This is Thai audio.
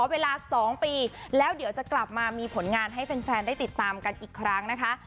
เวลา๒ปีแล้วเดี๋ยวจะกลับมามีผลงานให้แฟนได้ติดตามกันอีกครั้งนะคะ